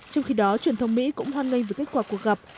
trong khi đó truyền thông mỹ cũng hoan nghênh về kết quả cuộc gặp